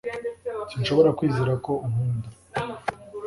Sinshobora kwizera ko unkunda